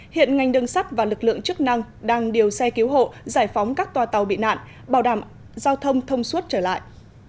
hiện ngành đường sắt và lực lượng chức năng đang điều xe cứu hộ giải phóng các tòa tàu bị nạn bảo đảm giao thông thông suốt trở lại